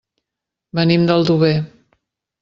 Venim d'Aldover.